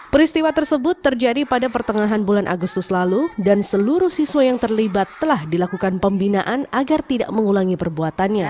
peristiwa tersebut terjadi pada pertengahan bulan agustus lalu dan seluruh siswa yang terlibat telah dilakukan pembinaan agar tidak mengulangi perbuatannya